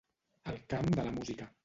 El camp de la música.